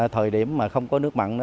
thời điểm mà không có nước mặn